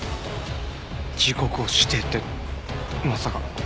時刻を指定ってまさか！？